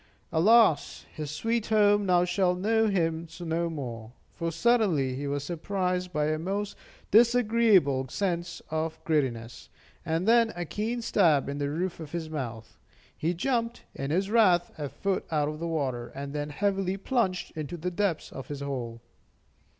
Alas! his sweet home now shall know him no more. For suddenly he was surprised by a most disagreeable sense of grittiness, and then a keen stab in the roof of his month. He jumped, in his wrath, a foot out of the water, and then heavily plunged to the depths of his hole.